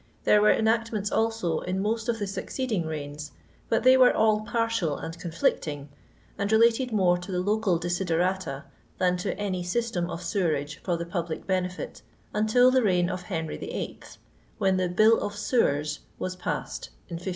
There were enactments, also, in most of the succeeding reigns, but they were all partial and conflicting, and rdated more to local desiderata than to any system of sewerage for the public benefit, until the reign of Henry YIIL, when the <'BiU of Sewers^ was passed (in 1581).